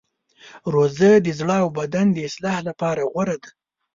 روژه د زړه او بدن د اصلاح لپاره غوره ده.